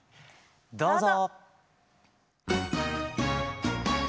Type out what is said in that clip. どうぞ。